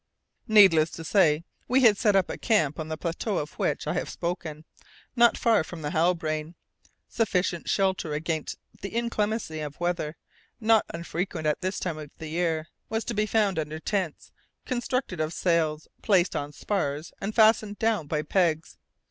Needless to say, we had set up a camp on the plateau of which I have spoken, not far from the Halbrane. Sufficient shelter against the inclemency of the weather, not unfrequent at this time of the year, was to be found under tents, constructed of sails placed on spars and fastened down by pegs.